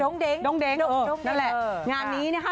โด่งเด้งโด่งเด้งนั่นแหละงานนี้นะคะ